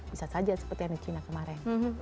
bisa saja seperti yang di china kemarin